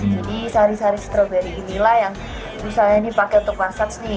jadi sari sari stroberi inilah yang misalnya ini pakai untuk massage